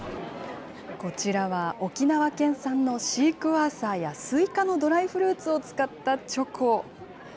こちらは沖縄県産のシークワーサーやスイカのドライフルーツを使ったチョコ。